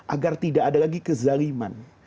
agar tidak ada lagi kezaliman